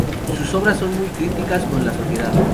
Sus obras son muy críticas con la sociedad.